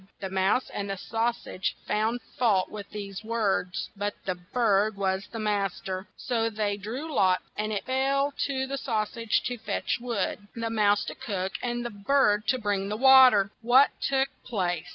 The mouse and the sau sage found fault with these words, but the bird was mas ter. So they drew lots, and it fell to the sau sage to fetch wood, the mouse to cook, and the bird to bring the wa ter. What took place?